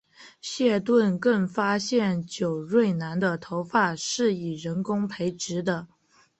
谢顿更发现久瑞南的头发是以人工培植的。